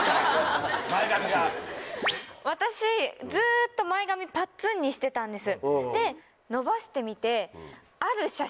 私ずっと前髪ぱっつんにしてたんです。